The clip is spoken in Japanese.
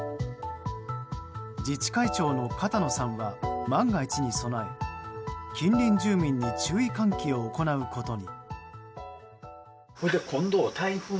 自治会長の片野さんは万が一に備え近隣住民に注意喚起を行うことに。